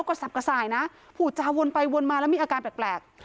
แล้วก็สับกระส่ายนะผู้จับวนไปวนมาและมีอักการแปลก